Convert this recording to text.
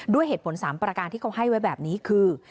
ด้วยเหตุผล๓ประการที่เขาให้ไว้แบบนี้คือ